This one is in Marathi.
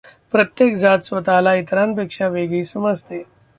प्रत्येक जात स्वतःला इतरांपेक्षा वेगळी समजते.